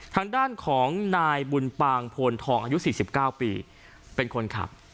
ทางด้านของนายบุญปางโพนทองอายุ๔๙ปีเป็นคนขับ